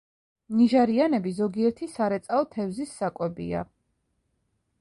ნიჟარიანები ზოგიერთი სარეწაო თევზის საკვებია.